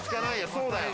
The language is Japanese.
そうだよ。